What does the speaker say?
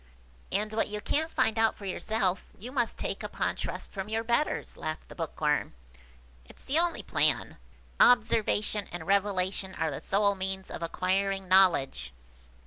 And what you can't find out for yourself, you must take upon trust from your betters," laughed the Bookworm. "It's the only plan. Observation and Revelation are the sole means of acquiring knowledge."